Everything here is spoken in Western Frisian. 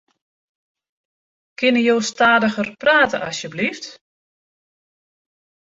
Kinne jo stadiger prate asjebleaft?